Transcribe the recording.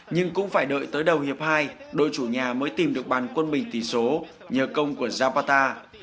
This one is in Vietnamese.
nhưng cũng phải đợi tới đầu hiệp hai đội chủ nhà mới tìm được bàn quân mình tỷ số nhờ công của javata